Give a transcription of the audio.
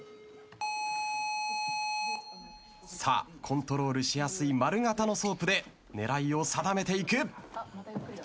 さあコントロールしやすい丸形のソープで狙いを定めていく。